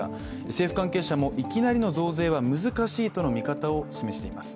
政府関係者も、いきなりの増税は難しいとの見方を示しています。